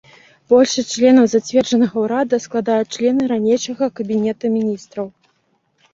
Большасць членаў зацверджанага ўрада складаюць члены ранейшага кабінета міністраў.